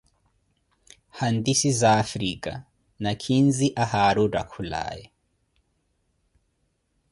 Hantisi zaWafrika: Nakhinzi ahari ottakhulaye.